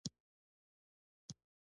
مچۍ ډیر زیارکښه حشرات دي